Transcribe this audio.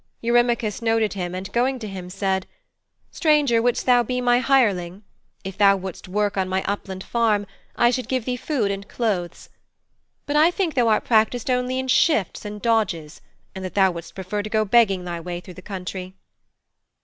Eurymachus noted him and going to him, said, 'Stranger, wouldst thou be my hireling? If thou wouldst work on my upland farm, I should give thee food and clothes. But I think thou art practised only in shifts and dodges, and that thou wouldst prefer to go begging thy way through the country.'